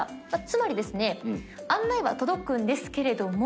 つまりですね案内は届くんですけれども。